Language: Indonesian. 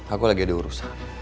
aku lagi ada urusan